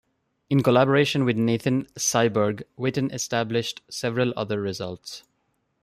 In collaboration with Nathan Seiberg, Witten established several other results.